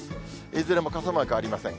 いずれも傘マークありません。